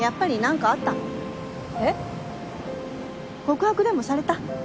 告白でもされた？